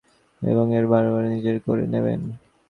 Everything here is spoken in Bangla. তিনি একটা ড্রাগনকে খুন করবেন এবং এরপর বারবারাকে নিজের করে নেবেন।